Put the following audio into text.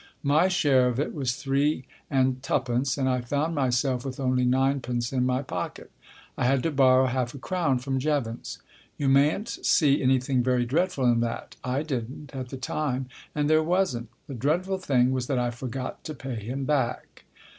My share of it was three and twopence, and I found myself with only ninepence in my pocket. I had to borrow half a crown from Jevons. You mayn't see anything very dreadful in that. I didn't at the time, and there wasn't. The dreadful thing was that I forgot to pay him back.